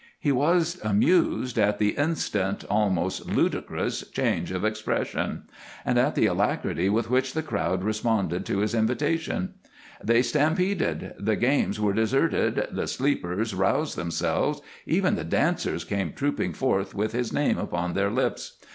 He was amused at the instant, almost ludicrous change of expression, and at the alacrity with which the crowd responded to his invitation. They stampeded, the games were deserted, the "sleepers" roused themselves, even the dancers came trooping forth with his name upon their lips.